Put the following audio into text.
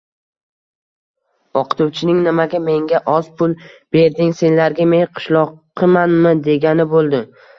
Oʻqituvchining “nimaga menga oz pul berding, senlarga men qishloqimanmi” degani boʻldi.